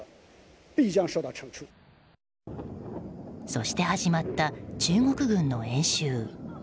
そして始まった中国軍の演習。